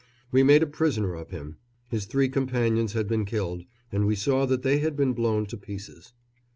We made a prisoner of him. His three companions had been killed, and we saw that they had been blown to pieces.